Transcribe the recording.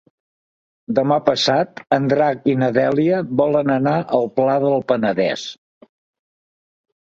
Demà passat en Drac i na Dèlia volen anar al Pla del Penedès.